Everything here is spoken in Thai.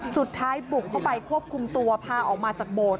สุดท้ายบุกเข้าไปควบคุมตัวพาออกมาจากโบสถ